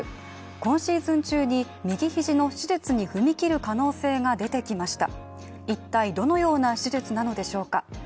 今シーズン中に、右肘の手術に踏み切る可能性が出てきました。